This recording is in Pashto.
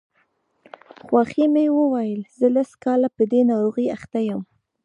خواښې مې وویل زه لس کاله په دې ناروغۍ اخته یم.